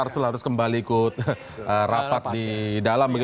terus kembali ikut rapat di dalam